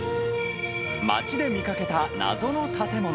街で見かけた謎の建物。